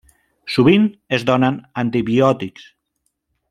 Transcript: Sovint es donen antibiòtics.